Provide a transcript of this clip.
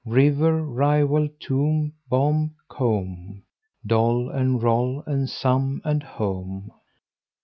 River, rival; tomb, bomb, comb; Doll and roll and some and home.